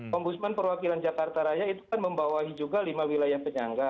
ombudsman perwakilan jakarta raya itu kan membawahi juga lima wilayah penyangga